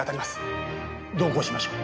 同行しましょう。